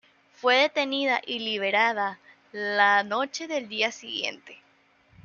Fue detenida y liberada la noche del día siguiente.